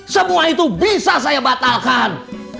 semua itu bisa saya batalkan